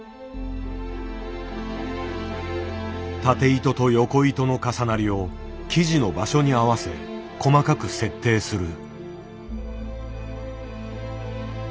経糸と緯糸の重なりを生地の場所に合わせ細かく設定する。